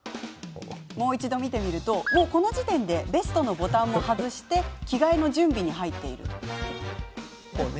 もう一度見てみると、この時点でベストのボタンも外して着替えの準備に入っています。